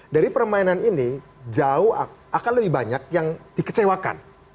dari permainan ini jauh akan lebih banyak yang dikecewakan